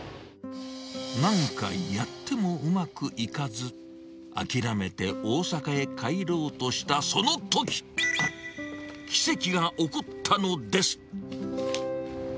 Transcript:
何回やってもうまくいかず、諦めて大阪へ帰ろうとしたそのとき、奇跡が起こったのです。